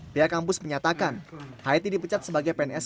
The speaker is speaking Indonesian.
pihak kampus menyatakan hayati dipecat sebagai pns